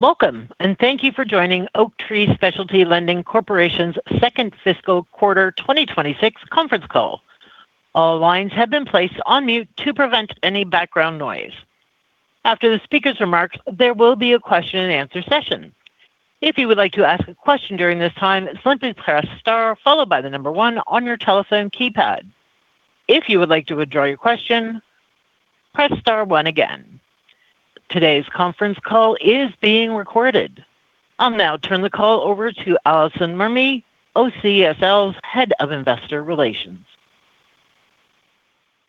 Welcome, thank you for joining Oaktree Specialty Lending Corporation's second fiscal quarter 2026 conference call. All lines have been placed on mute to prevent any background noise. After the speaker's remarks, there will be a question and answer session. If you would like to ask a question during this time, simply press Star followed by one on your telephone keypad. If you would like to withdraw your question, press Star one again. Today's conference call is being recorded. I'll now turn the call over to Alison Mermey, OCSL's Head of Investor Relations.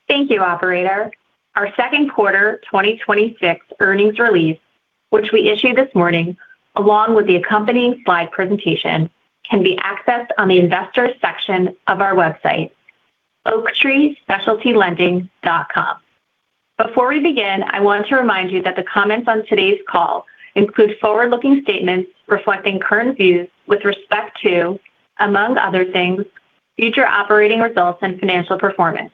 Thank you, operator. Our second quarter 2026 earnings release, which we issued this morning, along with the accompanying slide presentation, can be accessed on the investors section of our website, oaktreespecialtylending.com. Before we begin, I want to remind you that the comments on today's call include forward-looking statements reflecting current views with respect to, among other things, future operating results and financial performance.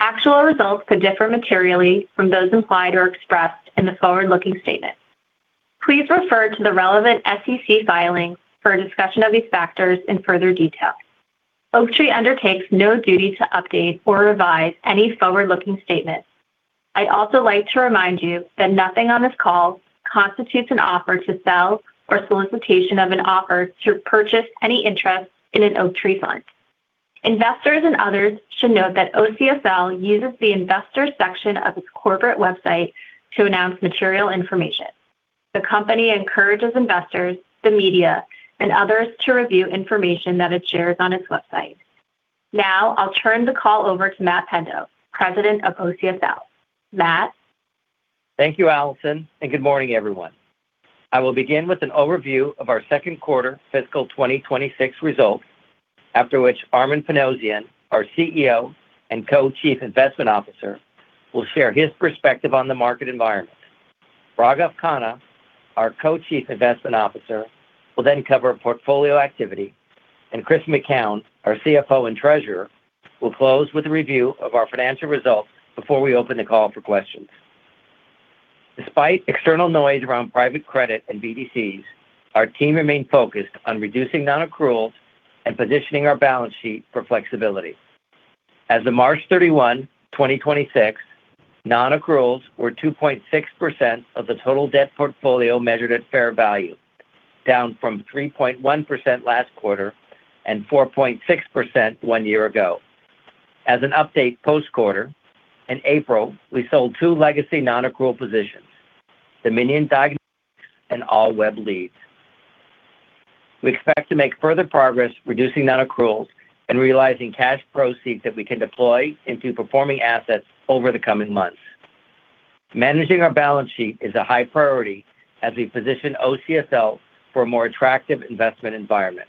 Actual results could differ materially from those implied or expressed in the forward-looking statement. Please refer to the relevant SEC filings for a discussion of these factors in further detail. Oaktree undertakes no duty to update or revise any forward-looking statements. I'd also like to remind you that nothing on this call constitutes an offer to sell or solicitation of an offer to purchase any interest in an Oaktree fund. Investors and others should note that OCSL uses the investor section of its corporate website to announce material information. The company encourages investors, the media, and others to review information that it shares on its website. Now, I'll turn the call over to Matt Pendo, President of OCSL. Matt. Thank you, Alison. Good morning, everyone. I will begin with an overview of our second quarter fiscal 2026 results. After which, Armen Panossian, our CEO and Co-Chief Investment Officer, will share his perspective on the market environment. Raghav Khanna, our Co-Chief Investment Officer, will then cover portfolio activity, and Chris McKown, our CFO and Treasurer, will close with a review of our financial results before we open the call for questions. Despite external noise around private credit and BDCs, our team remained focused on reducing non-accruals and positioning our balance sheet for flexibility. As of March 31, 2026, non-accruals were 2.6% of the total debt portfolio measured at fair value, down from 3.1% last quarter and 4.6% one year ago. As an update post-quarter, in April, we sold two legacy non-accrual positions, Dominion Diagnostics and All Web Leads. We expect to make further progress reducing non-accruals and realizing cash proceeds that we can deploy into performing assets over the coming months. Managing our balance sheet is a high priority as we position OCSL for a more attractive investment environment.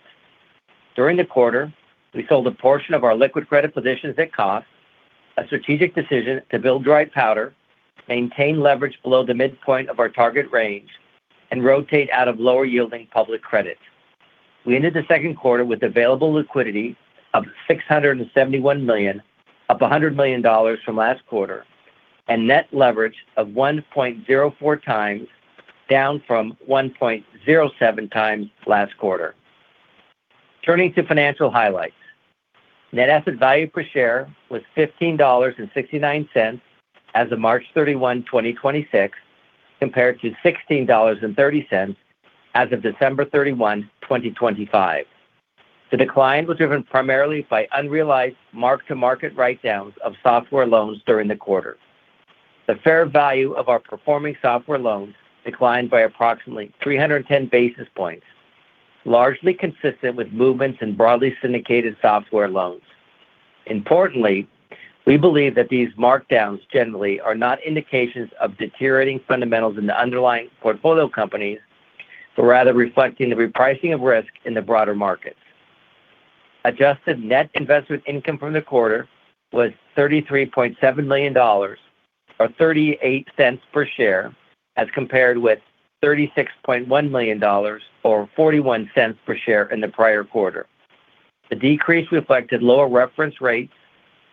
During the quarter, we sold a portion of our liquid credit positions at cost, a strategic decision to build dry powder, maintain leverage below the midpoint of our target range, and rotate out of lower yielding public credit. We ended the second quarter with available liquidity of $671 million, up $100 million from last quarter, and net leverage of 1.04x, down from 1.07x last quarter. Turning to financial highlights. Net asset value per share was $15.69 as of March 31, 2026, compared to $16.30 as of December 31, 2025. The decline was driven primarily by unrealized mark-to-market write-downs of software loans during the quarter. The fair value of our performing software loans declined by approximately 310 basis points, largely consistent with movements in broadly syndicated software loans. Importantly, we believe that these markdowns generally are not indications of deteriorating fundamentals in the underlying portfolio companies, but rather reflecting the repricing of risk in the broader markets. Adjusted net investment income from the quarter was $33.7 million, or $0.38 per share, as compared with $36.1 million or $0.41 per share in the prior quarter. The decrease reflected lower reference rates,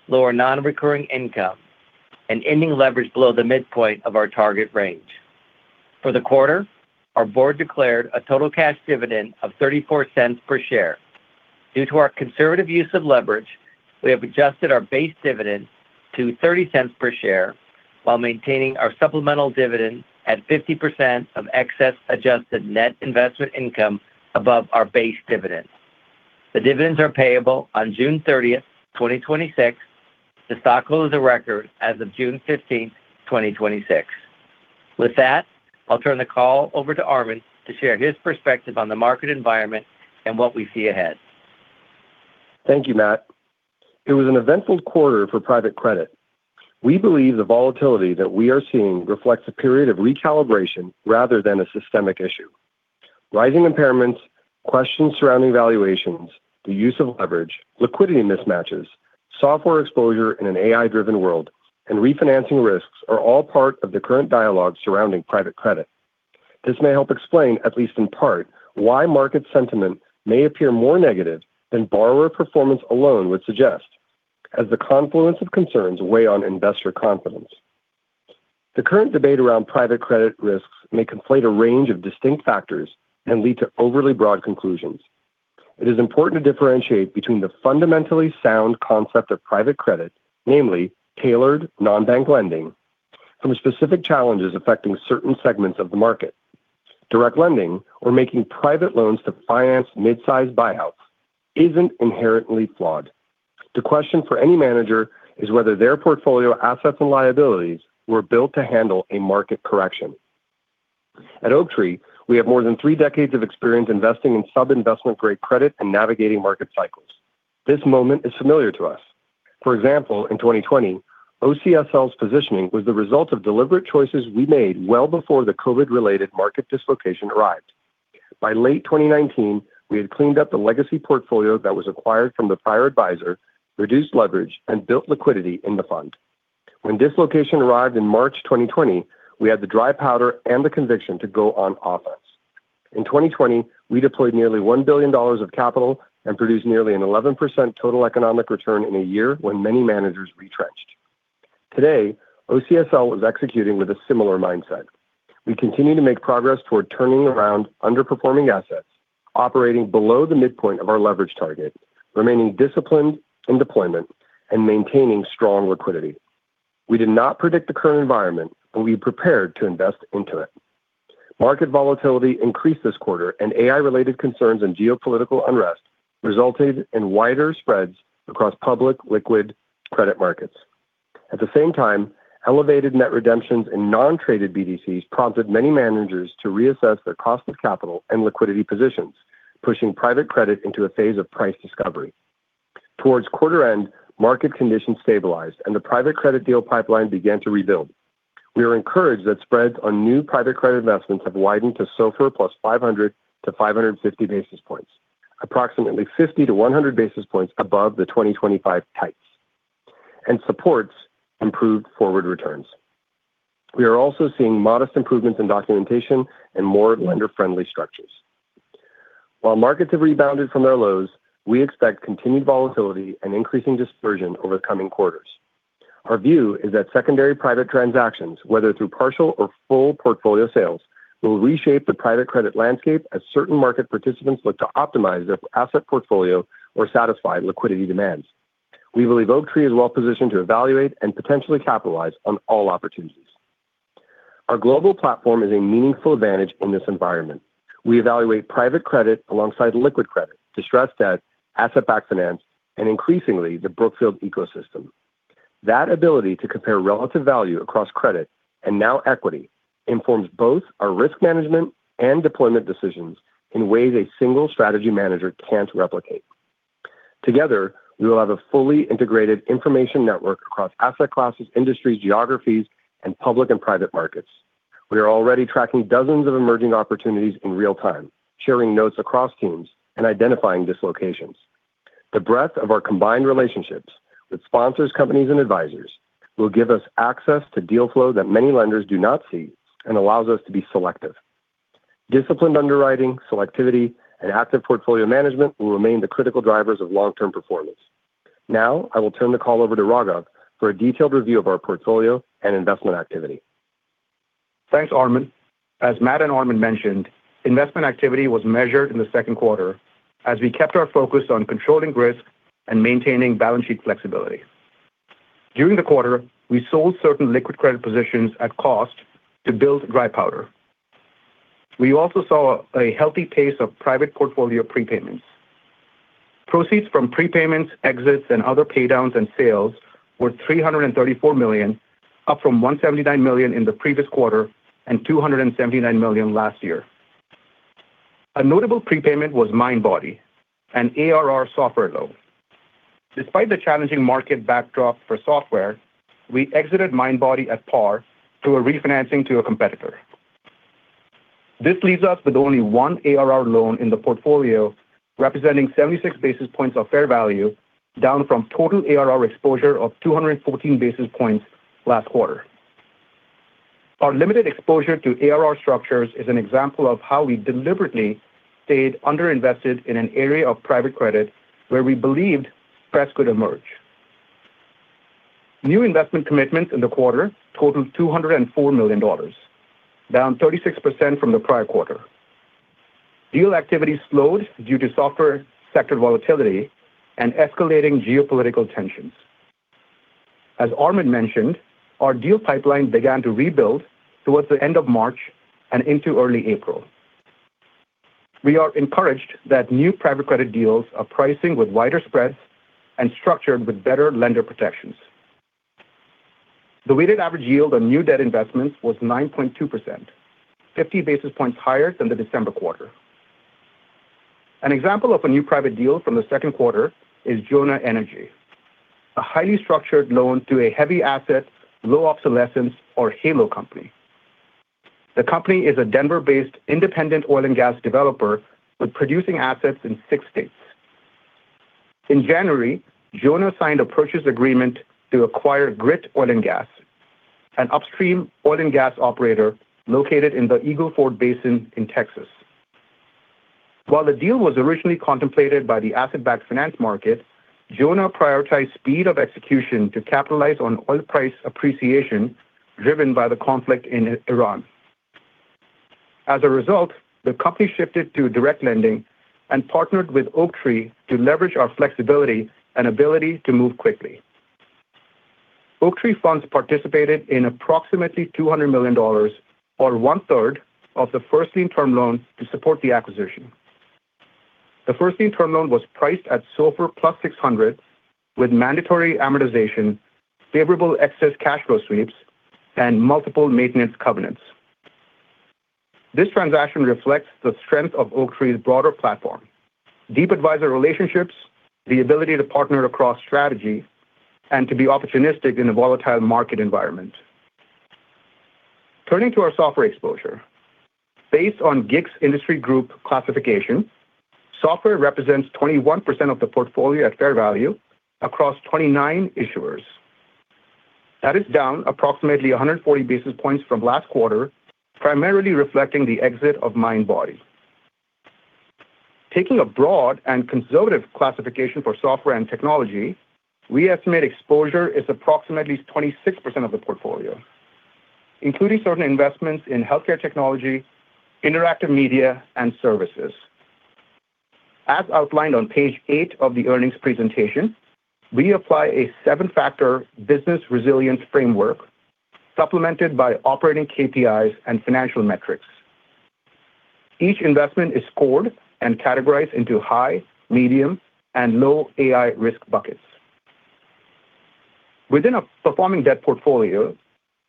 lower non-recurring income, and ending leverage below the midpoint of our target range. For the quarter, our board declared a total cash dividend of $0.34 per share. Due to our conservative use of leverage, we have adjusted our base dividend to $0.30 per share while maintaining our supplemental dividend at 50% of excess adjusted net investment income above our base dividend. The dividends are payable on June 30, 2026. The stock will close of record as of June 15, 2026. With that, I'll turn the call over to Armen to share his perspective on the market environment and what we see ahead. Thank you, Matt. It was an eventful quarter for private credit. We believe the volatility that we are seeing reflects a period of recalibration rather than a systemic issue. Rising impairments, questions surrounding valuations, the use of leverage, liquidity mismatches, software exposure in an AI-driven world, and refinancing risks are all part of the current dialogue surrounding private credit. This may help explain, at least in part, why market sentiment may appear more negative than borrower performance alone would suggest. As the confluence of concerns weigh on investor confidence. The current debate around private credit risks may conflate a range of distinct factors and lead to overly broad conclusions. It is important to differentiate between the fundamentally sound concept of private credit, namely tailored non-bank lending, from specific challenges affecting certain segments of the market. Direct lending or making private loans to finance mid-size buyouts isn't inherently flawed. The question for any manager is whether their portfolio assets and liabilities were built to handle a market correction. At Oaktree, we have more than three decades of experience investing in sub-investment-grade credit and navigating market cycles. This moment is familiar to us. For example, in 2020, OCSL's positioning was the result of deliberate choices we made well before the COVID-related market dislocation arrived. By late 2019, we had cleaned up the legacy portfolio that was acquired from the prior advisor, reduced leverage, and built liquidity in the fund. When dislocation arrived in March 2020, we had the dry powder and the conviction to go on offense. In 2020, we deployed nearly $1 billion of capital and produced nearly an 11% total economic return in a year when many managers retrenched. Today, OCSL is executing with a similar mindset. We continue to make progress toward turning around underperforming assets, operating below the midpoint of our leverage target, remaining disciplined in deployment, and maintaining strong liquidity. We did not predict the current environment, but we prepared to invest into it. Market volatility increased this quarter, and AI-related concerns and geopolitical unrest resulted in wider spreads across public liquid credit markets. At the same time, elevated net redemptions in non-traded BDCs prompted many managers to reassess their cost of capital and liquidity positions, pushing private credit into a phase of price discovery. Towards quarter end, market conditions stabilized, and the private credit deal pipeline began to rebuild. We are encouraged that spreads on new private credit investments have widened to SOFR plus 500-550 basis points, approximately 50-100 basis points above the 2025 tights, and supports improved forward returns. We are also seeing modest improvements in documentation and more lender-friendly structures. While markets have rebounded from their lows, we expect continued volatility and increasing dispersion over coming quarters. Our view is that secondary private transactions, whether through partial or full portfolio sales, will reshape the private credit landscape as certain market participants look to optimize their asset portfolio or satisfy liquidity demands. We believe Oaktree is well-positioned to evaluate and potentially capitalize on all opportunities. Our global platform is a meaningful advantage in this environment. We evaluate private credit alongside liquid credit, distressed debt, asset-backed finance, and increasingly, the Brookfield ecosystem. That ability to compare relative value across credit, and now equity, informs both our risk management and deployment decisions in ways a single strategy manager can't replicate. Together, we will have a fully integrated information network across asset classes, industries, geographies, and public and private markets. We are already tracking dozens of emerging opportunities in real time, sharing notes across teams, and identifying dislocations. The breadth of our combined relationships with sponsors, companies, and advisors will give us access to deal flow that many lenders do not see and allows us to be selective. Disciplined underwriting, selectivity, and active portfolio management will remain the critical drivers of long-term performance. Now, I will turn the call over to Raghav for a detailed review of our portfolio and investment activity. Thanks, Armen. As Matt and Armen mentioned, investment activity was measured in the second quarter as we kept our focus on controlling risk and maintaining balance sheet flexibility. During the quarter, we sold certain liquid credit positions at cost to build dry powder. We also saw a healthy pace of private portfolio prepayments. Proceeds from prepayments, exits, and other pay downs and sales were $334 million, up from $179 million in the previous quarter and $279 million last year. A notable prepayment was Mindbody, an ARR software loan. Despite the challenging market backdrop for software, we exited Mindbody at par through a refinancing to a competitor. This leaves us with only one ARR loan in the portfolio, representing 76 basis points of fair value, down from total ARR exposure of 214 basis points last quarter. Our limited exposure to ARR structures is an example of how we deliberately stayed underinvested in an area of private credit where we believed stress could emerge. New investment commitments in the quarter totaled $204 million, down 36% from the prior quarter. Deal activity slowed due to software sector volatility and escalating geopolitical tensions. As Armen mentioned, our deal pipeline began to rebuild towards the end of March and into early April. We are encouraged that new private credit deals are pricing with wider spreads and structured with better lender protections. The weighted average yield on new debt investments was 9.2%, 50 basis points higher than the December quarter. An example of a new private deal from the second quarter is Jonah Energy, a highly structured loan through a Heavy Asset, Low Obsolescence or HALO company. The company is a Denver-based independent oil and gas developer with producing assets in six states. In January, Jonah signed a purchase agreement to acquire Grit Oil & Gas, an upstream oil and gas operator located in the Eagle Ford Basin in Texas. While the deal was originally contemplated by the asset-backed finance market, Jonah prioritized speed of execution to capitalize on oil price appreciation driven by the conflict in Iran. As a result, the company shifted to direct lending and partnered with Oaktree to leverage our flexibility and ability to move quickly. Oaktree funds participated in approximately $200 million or one third of the first lien term loan to support the acquisition. The first lien term loan was priced at SOFR plus 600 with mandatory amortization, favorable excess cash flow sweeps, and multiple maintenance covenants. This transaction reflects the strength of Oaktree's broader platform, deep advisor relationships, the ability to partner across strategy, and to be opportunistic in a volatile market environment. Turning to our software exposure. Based on GICS industry group classification, software represents 21% of the portfolio at fair value across 29 issuers. That is down approximately 140 basis points from last quarter, primarily reflecting the exit of Mindbody. Taking a broad and conservative classification for software and technology, we estimate exposure is approximately 26% of the portfolio, including certain investments in healthcare technology, interactive media, and services. As outlined on page eight of the earnings presentation, we apply a seven-factor business resilience framework supplemented by operating KPIs and financial metrics. Each investment is scored and categorized into high, medium, and low AI risk buckets. Within a performing debt portfolio,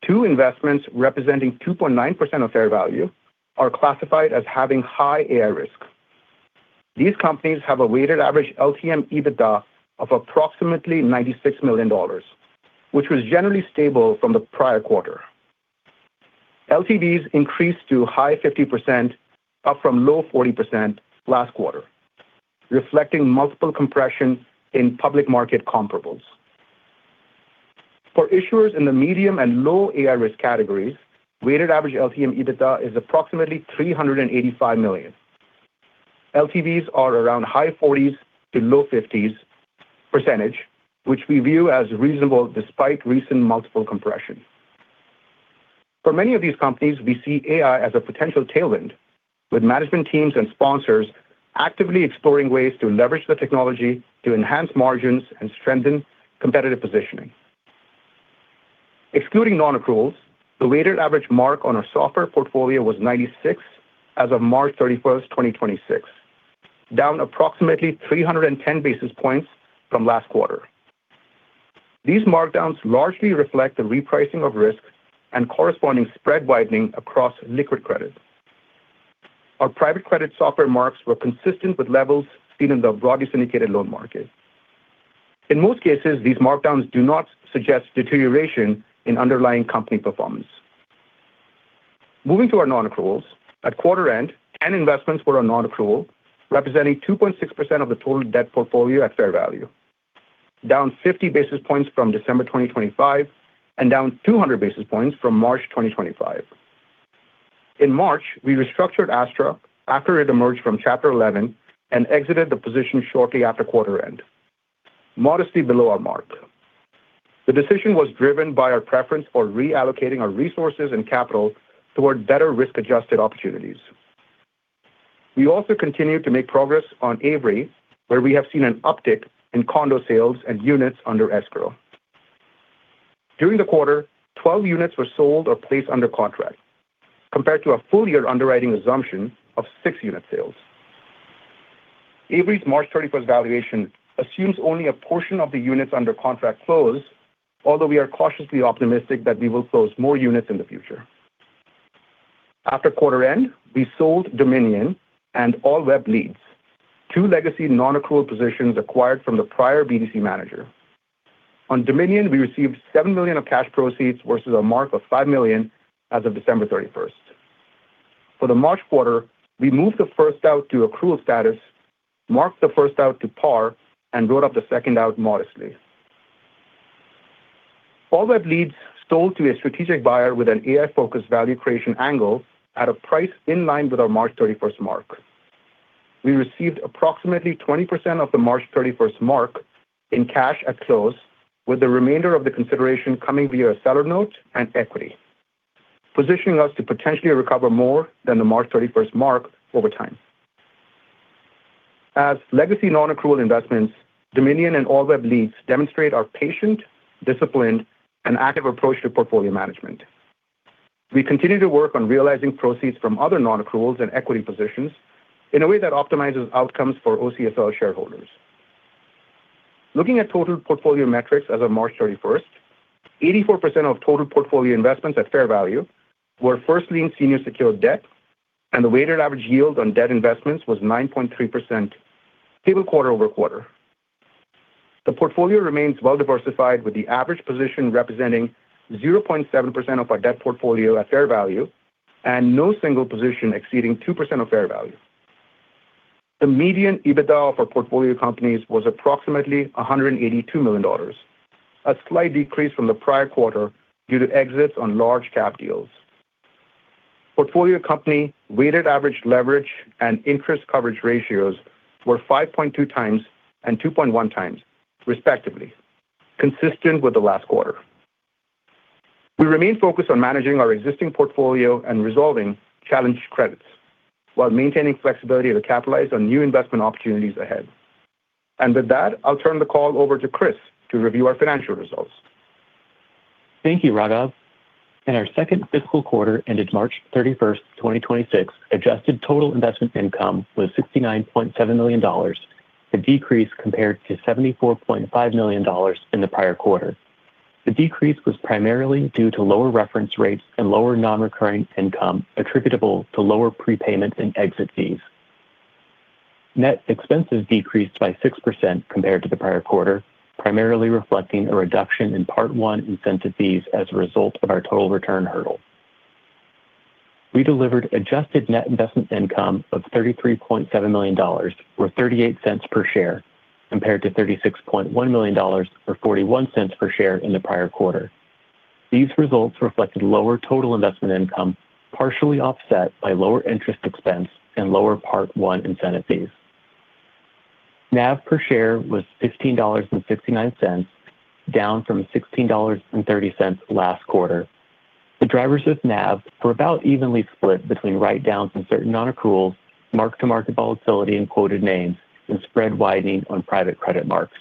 two investments representing 2.9% of fair value are classified as having high AI risk. These companies have a weighted average LTM EBITDA of approximately $96 million, which was generally stable from the prior quarter. LTVs increased to high 50%, up from low 40% last quarter, reflecting multiple compression in public market comparables. For issuers in the medium and low AI risk categories, weighted average LTM EBITDA is approximately $385 million. LTVs are around high 40s to low 50s%, which we view as reasonable despite recent multiple compression. For many of these companies, we see AI as a potential tailwind, with management teams and sponsors actively exploring ways to leverage the technology to enhance margins and strengthen competitive positioning. Excluding non-accruals, the weighted average mark on our software portfolio was 96 as of March 31st, 2026, down approximately 310 basis points from last quarter. These markdowns largely reflect the repricing of risks and corresponding spread widening across liquid credit. Our private credit software marks were consistent with levels seen in the broadly syndicated loan market. In most cases, these markdowns do not suggest deterioration in underlying company performance. Moving to our non-accruals. At quarter end, 10 investments were on non-accrual, representing 2.6% of the total debt portfolio at fair value, down 50 basis points from December 2025, and down 200 basis points from March 2025. In March, we restructured Astra after it emerged from Chapter 11 and exited the position shortly after quarter end, modestly below our mark. The decision was driven by our preference for reallocating our resources and capital toward better risk-adjusted opportunities. We also continued to make progress on Avery, where we have seen an uptick in condo sales and units under escrow. During the quarter, 12 units were sold or placed under contract, compared to a full year underwriting assumption of six unit sales. Avery's March 31st valuation assumes only a portion of the units under contract close, although we are cautiously optimistic that we will close more units in the future. After quarter end, we sold Dominion and All Web Leads, two legacy non-accrual positions acquired from the prior BDC manager. On Dominion, we received $7 million of cash proceeds versus a mark of $5 million as of December 31st. For the March quarter, we moved the first out to accrual status, marked the first out to par, and wrote up the second out modestly. All Web Leads sold to a strategic buyer with an AI-focused value creation angle at a price in line with our March 31st mark. We received approximately 20% of the March 31st mark in cash at close, with the remainder of the consideration coming via a seller note and equity, positioning us to potentially recover more than the March 31st mark over time. As legacy non-accrual investments, Dominion and All Web Leads demonstrate our patient, disciplined, and active approach to portfolio management. We continue to work on realizing proceeds from other non-accruals and equity positions in a way that optimizes outcomes for OCSL shareholders. Looking at total portfolio metrics as of March 31st, 84% of total portfolio investments at fair value were first lien senior secured debt, and the weighted average yield on debt investments was 9.3%, stable quarter-over-quarter. The portfolio remains well-diversified, with the average position representing 0.7% of our debt portfolio at fair value and no single position exceeding 2% of fair value. The median EBITDA for portfolio companies was approximately $182 million. A slight decrease from the prior quarter due to exits on large cap deals. Portfolio company weighted average leverage and interest coverage ratios were 5.2x and 2.1x respectively, consistent with the last quarter. We remain focused on managing our existing portfolio and resolving challenged credits while maintaining flexibility to capitalize on new investment opportunities ahead. With that, I'll turn the call over to Chris to review our financial results. Thank you, Raghav. In our second fiscal quarter ended March 31, 2026, adjusted total investment income was $69.7 million, a decrease compared to $74.5 million in the prior quarter. The decrease was primarily due to lower reference rates and lower non-recurring income attributable to lower prepayments and exit fees. Net expenses decreased by 6% compared to the prior quarter, primarily reflecting a reduction in Part I incentive fees as a result of our total return hurdle. We delivered adjusted net investment income of $33.7 million or $0.38 per share, compared to $36.1 million or $0.41 per share in the prior quarter. These results reflected lower total investment income, partially offset by lower interest expense and lower Part I incentive fees. NAV per share was $15.69, down from $16.30 last quarter. The drivers of NAV were about evenly split between write-downs and certain non-accruals, mark-to-market volatility in quoted names, and spread widening on private credit marks.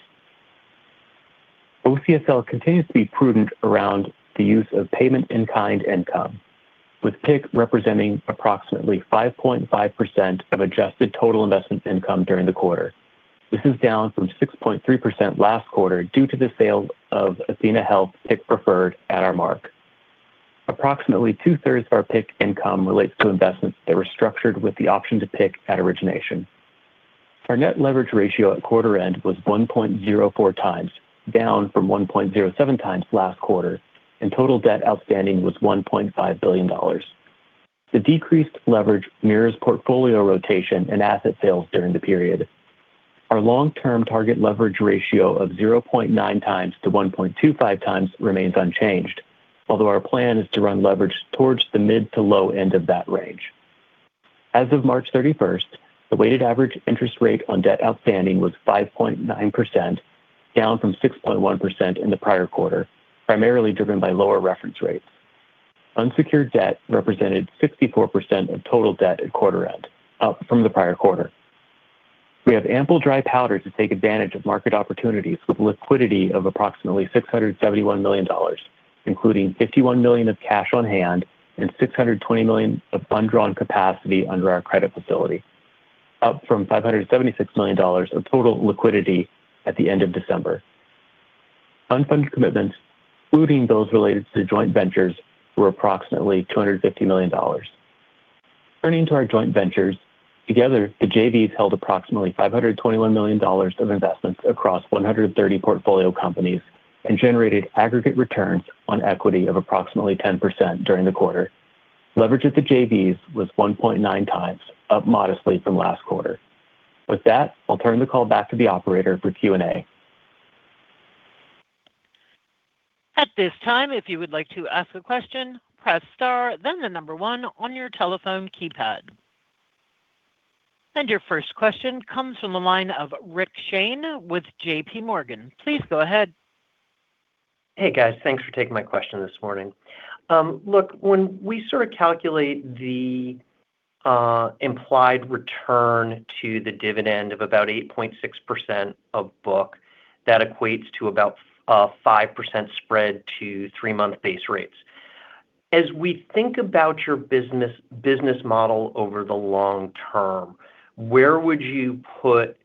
OCSL continues to be prudent around the use of payment in kind income, with PIK representing approximately 5.5% of adjusted total investment income during the quarter. This is down from 6.3% last quarter due to the sale of Athenahealth PIK preferred at our mark. Approximately two-thirds of our PIK income relates to investments that were structured with the option to PIK at origination. Our net leverage ratio at quarter end was 1.04x, down from 1.07x last quarter, and total debt outstanding was $1.5 billion. The decreased leverage mirrors portfolio rotation and asset sales during the period. Our long-term target leverage ratio of 0.9x-1.25x remains unchanged, although our plan is to run leverage towards the mid to low end of that range. As of March 31st, the weighted average interest rate on debt outstanding was 5.9%, down from 6.1% in the prior quarter, primarily driven by lower reference rates. Unsecured debt represented 64% of total debt at quarter end, up from the prior quarter. We have ample dry powder to take advantage of market opportunities with liquidity of approximately $671 million, including $51 million of cash on hand and $620 million of undrawn capacity under our credit facility, up from $576 million of total liquidity at the end of December. Unfunded commitments, including those related to joint ventures, were approximately $250 million. Turning to our joint ventures, together, the JVs held approximately $521 million of investments across 130 portfolio companies and generated aggregate returns on equity of approximately 10% during the quarter. Leverage at the JVs was 1.9x, up modestly from last quarter. With that, I'll turn the call back to the operator for Q&A. At this time if you like to ask a question press star then the number one on your telephone keypad. Your first question comes from the line of Rick Shane with JPMorgan. Please go ahead. Hey guys. Thanks for taking my question this morning. look, when we sort of calculate the implied return to the dividend of about 8.6% of book, that equates to about 5% spread to three-month base rates. As we think about your business model over the long term, where would you put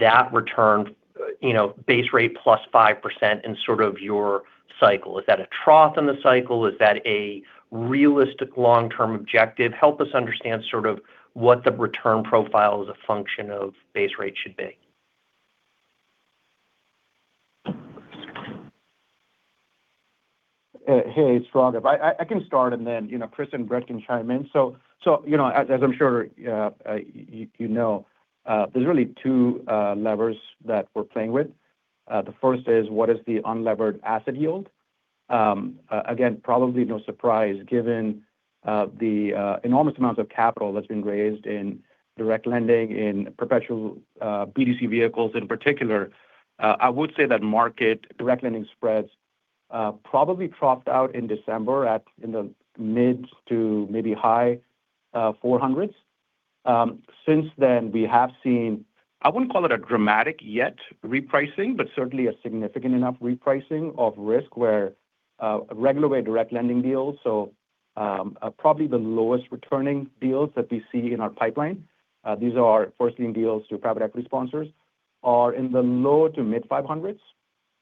that return, you know, base rate plus 5% in sort of your cycle? Is that a trough in the cycle? Is that a realistic long-term objective? Help us understand sort of what the return profile as a function of base rate should be. Hey, it's Raghav. I can start and then, you know, Chris and Brett can chime in. You know, as I'm sure, you know, there's really two levers that we're playing with. The first is what is the unlevered asset yield. Again, probably no surprise given the enormous amounts of capital that's been raised in direct lending in perpetual BDC vehicles in particular. I would say that market direct lending spreads probably dropped out in December at, in the mid to maybe high 400s. Since then, we have seen, I wouldn't call it a dramatic yet repricing, but certainly a significant enough repricing of risk where regular way direct lending deals. Probably the lowest returning deals that we see in our pipeline, these are first lien deals to private equity sponsors, are in the low to mid 500s.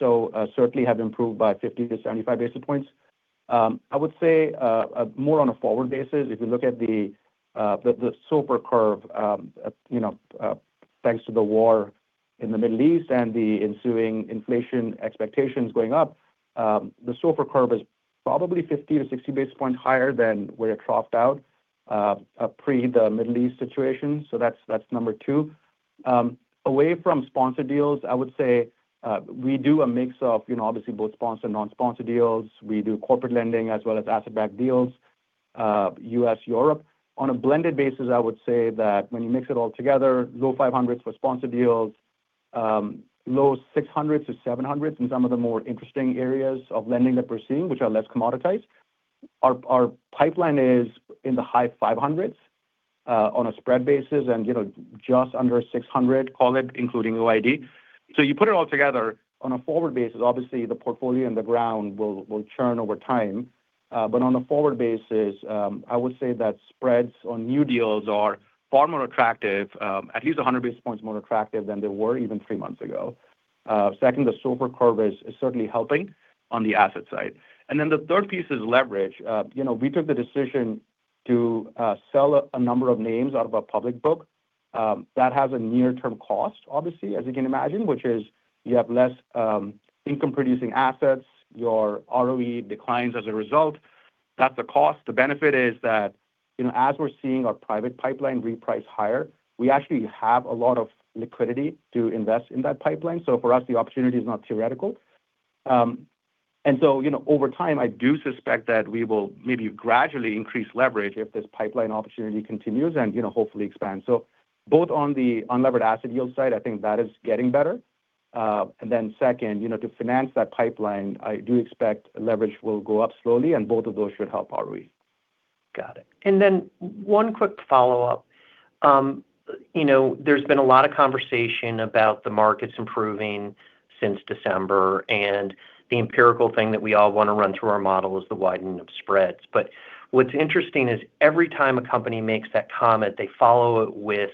Certainly have improved by 50-75 basis points. I would say, more on a forward basis, if you look at the SOFR curve, you know, thanks to the war in the Middle East and the ensuing inflation expectations going up. The SOFR curve is probably 50-60 basis points higher than where it cropped out pre the Middle East situation. That's number two. Away from sponsor deals, I would say, we do a mix of, you know, obviously both sponsor, non-sponsor deals. We do corporate lending as well as asset-backed deals, U.S., Europe. On a blended basis, I would say that when you mix it all together, low 500s for sponsor deals, low 600s to 700s in some of the more interesting areas of lending that we're seeing, which are less commoditized. Our pipeline is in the high 500s, on a spread basis and, you know, just under 600, call it including OID. You put it all together on a forward basis. Obviously, the portfolio and the ground will churn over time. On a forward basis, I would say that spreads on new deals are far more attractive, at least 100 basis points more attractive than they were even three months ago. Second, the SOFR curve is certainly helping on the asset side. The third piece is leverage. You know, we took the decision to sell a number of names out of a public book, that has a near-term cost, obviously, as you can imagine, which is you have less income producing assets, your ROE declines as a result. That's a cost. The benefit is that, you know, as we're seeing our private pipeline reprice higher, we actually have a lot of liquidity to invest in that pipeline. For us, the opportunity is not theoretical. Over time, you know, I do suspect that we will maybe gradually increase leverage if this pipeline opportunity continues and, you know, hopefully expand. Both on the unlevered asset yield side, I think that is getting better. Second, you know, to finance that pipeline, I do expect leverage will go up slowly, and both of those should help ROE. Got it. One quick follow-up. You know, there's been a lot of conversation about the markets improving since December, and the empirical thing that we all wanna run through our model is the widening of spreads. What's interesting is every time a company makes that comment, they follow it with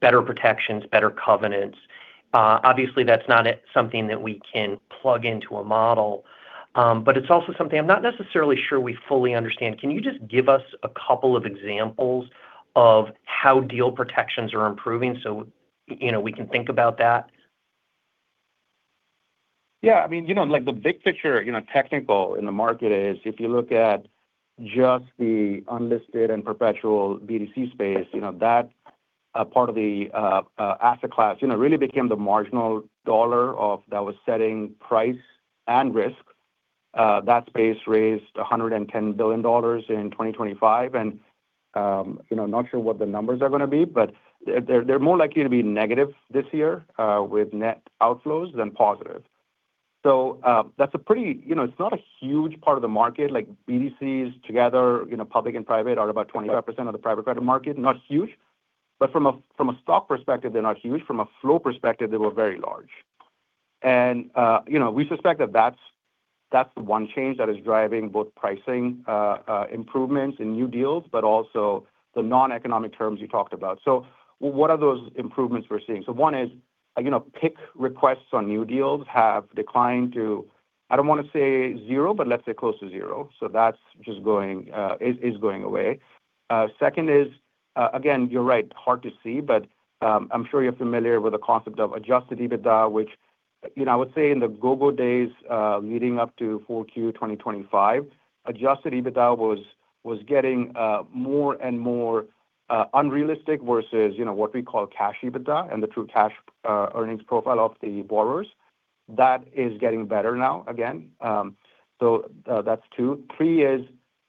better protections, better covenants. Obviously, that's not something that we can plug into a model, but it's also something I'm not necessarily sure we fully understand. Can you just give us a couple of examples of how deal protections are improving so, you know, we can think about that? Yeah. I mean, you know, like the big picture, you know, technical in the market is if you look at just the unlisted and perpetual BDC space, you know, that part of the asset class, you know, really became the marginal dollar of that was setting price and risk. That space raised $110 billion in 2025. You know, not sure what the numbers are gonna be, but they're more likely to be negative this year with net outflows than positive. That's a pretty You know, it's not a huge part of the market. Like, BDCs together, you know, public and private, are about 25% of the private credit market. Not huge. From a stock perspective, they're not huge. From a flow perspective, they were very large. You know, we suspect that that's one change that is driving both pricing improvements in new deals, but also the non-economic terms you talked about. What are those improvements we're seeing? One is, you know, PIK requests on new deals have declined to, I don't wanna say 0, but let's say close to 0. That's just going, is going away. Second is, again, you're right, hard to see, but I'm sure you're familiar with the concept of adjusted EBITDA, which, you know, I would say in the go-go days leading up to 4Q 2025, adjusted EBITDA was getting more and more unrealistic versus, you know, what we call cash EBITDA and the true cash earnings profile of the borrowers. That is getting better now, again. That's two. Three is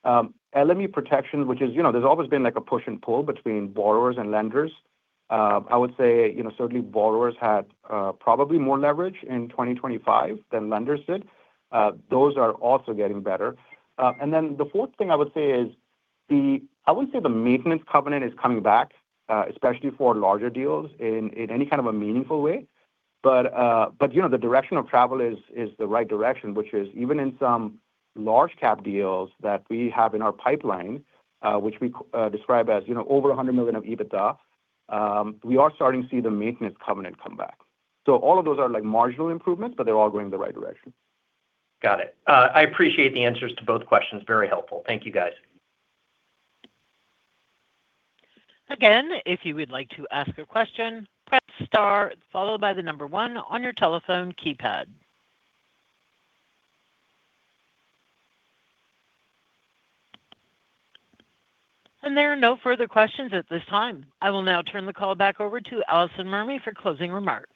LME protection, which is, you know, there's always been, like, a push and pull between borrowers and lenders. I would say, you know, certainly borrowers had probably more leverage in 2025 than lenders did. Those are also getting better. The fourth thing I would say is the I wouldn't say the maintenance covenant is coming back, especially for larger deals in any kind of a meaningful way. You know, the direction of travel is the right direction, which is even in some large cap deals that we have in our pipeline, which we describe as, you know, over $100 million of EBITDA, we are starting to see the maintenance covenant come back. All of those are, like, marginal improvements, but they're all going the right direction. Got it. I appreciate the answers to both questions. Very helpful. Thank you, guys. Again, if you would like to ask a question, press star followed by the number one on your telephone keypad. There are no further questions at this time. I will now turn the call back over to Alison Mermey for closing remarks.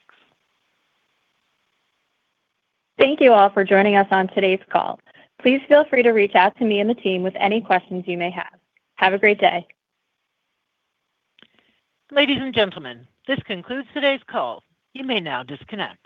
Thank you all for joining us on today's call. Please feel free to reach out to me and the team with any questions you may have. Have a great day. Ladies and gentlemen, this concludes today's call. You may now disconnect.